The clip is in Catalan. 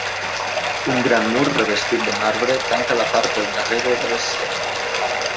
Un gran mur revestit de marbre tanca la part del darrere de l'escena.